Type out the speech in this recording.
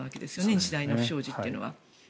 日大の不祥事というのは。